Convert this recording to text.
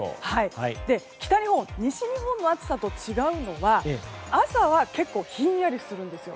北日本、西日本の暑さと違うのは朝は結構ひんやりするんですよ。